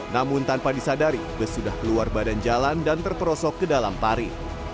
namun tanpa disadari bus sudah keluar badan jalan dan terperosok ke dalam pari